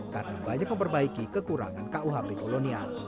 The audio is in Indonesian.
karena banyak memperbaiki kekurangan kuhp kolonial